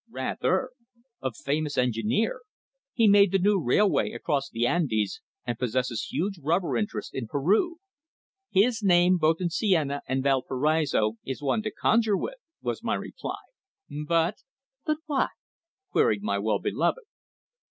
"Rather! A famous engineer. He made the new railway across the Andes, and possesses huge rubber interests in Peru. His name, both in Seina and Valparaiso, is one to conjure with," was my reply; "but " "But what?" queried my well beloved.